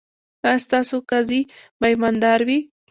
ایا ستاسو قاضي به ایماندار وي؟